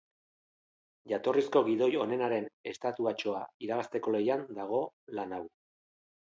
Jatorrizko gidoi onenaren estatuatxoa irabazteko lehian dago lan hau.